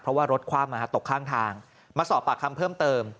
เพราะว่ารถคว่ำตกข้างทางมาสอบปากคำเพิ่มเติม